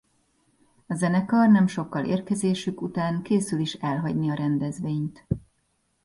A zenekar nem sokkal érkezésük után készül is elhagyni a rendezvényt.